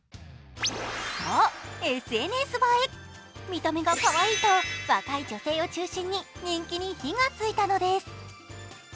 見た目がかわいいと、若い女性を中心に人気に火が付いたのです。